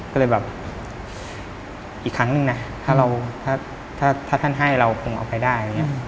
ก็เลยอีกครั้งหนึ่งนะถ้าท่านให้เราคงเอาไปได้